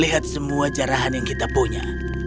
lihat semua jarahan yang kita punya